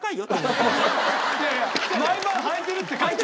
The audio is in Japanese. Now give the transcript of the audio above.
「毎晩はいてる」って書いて。